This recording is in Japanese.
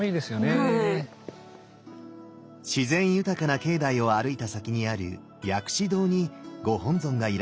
自然豊かな境内を歩いた先にある薬師堂にご本尊がいらっしゃいます。